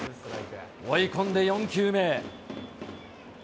追い込んで４球目。